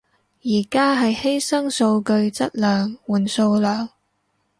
而家係犧牲數據質量換數量